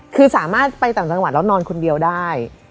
คือสามารถไปต่างจังหวัดแล้วนอนคนเดียวได้